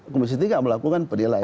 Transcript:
komisi tiga melakukan penilaian